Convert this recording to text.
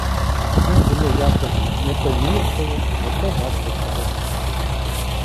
Всім було якось не то ніяково, не то жалько чогось.